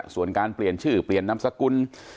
ส่วนการเปลี่ยนชื่อเปลี่ยนนามสกุล